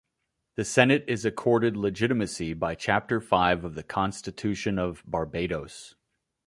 The Senate is accorded legitimacy by Chapter Five of the Constitution of Barbados.